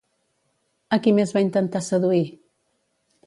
A qui més va intentar seduir?